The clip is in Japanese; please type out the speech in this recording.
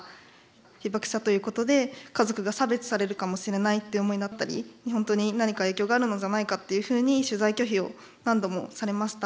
被爆者ということで家族が差別されるかもしれないって思いだったり本当に何か影響があるのじゃないかっていうふうに取材拒否を何度もされました。